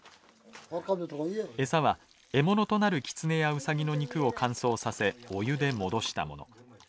餌は獲物となるキツネやウサギの肉を乾燥させお湯で戻したもの。